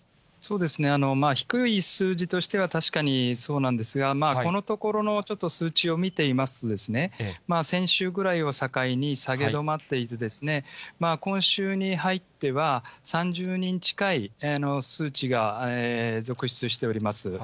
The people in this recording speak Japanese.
低い数字としては確かにそうなんですが、このところのちょっと数値を見ていますと、先週ぐらいを境に下げ止まっていて、今週に入っては、３０人近い数値が続出しております。